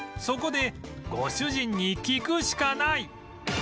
そこでご主人に聞くしかない